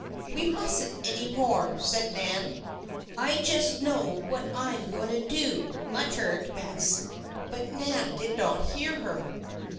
"We mustn't any more," said Nan. "I just know what I am going to do," muttered Bess; but Nan did not hear her.